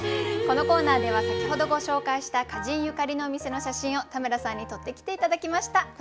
このコーナーでは先ほどご紹介した歌人ゆかりのお店の写真を田村さんに撮ってきて頂きました。